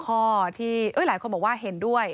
ข้อที่หลายคนบอกว่าเห็นด้วย